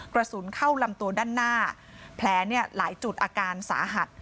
กระสุนเข้าลำตัวด้านหน้าแผลหลายจุดอาการสาหัส